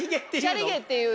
チャリ毛っていう。